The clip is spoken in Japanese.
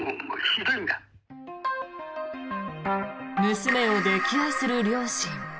娘を溺愛する両親。